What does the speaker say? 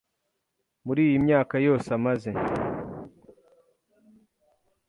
Muri iyi myaka yose amaze,